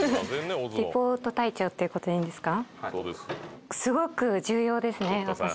「リポート隊長っていうことでいいんですか？」